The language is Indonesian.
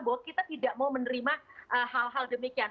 bahwa kita tidak mau menerima hal hal demikian